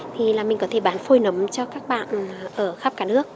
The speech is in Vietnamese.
thì là mình có thể bán phôi nấm cho các bạn ở khắp cả nước